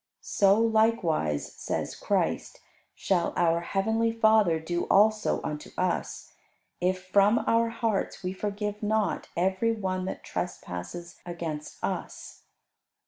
So likewise, says Christ, shall our Heavenly Father do also unto us if from our hearts we forgive not every one that trespasses against us.